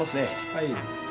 はい。